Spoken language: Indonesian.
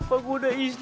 apa gue udah isnet ya